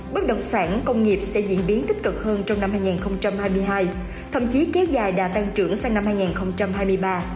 bất động sản công nghiệp sẽ diễn biến tích cực hơn trong năm hai nghìn hai mươi hai thậm chí kéo dài đã tăng trưởng sang năm hai nghìn hai mươi ba